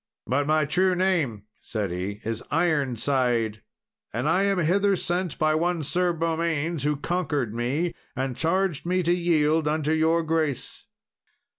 "But my true name," said he, "is Ironside, and I am hither sent by one Sir Beaumains, who conquered me, and charged me to yield unto your grace."